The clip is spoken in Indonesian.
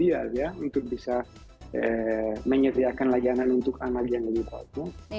iya itu ideal ya untuk bisa menyeriakan layanan untuk anak yang lebih kuat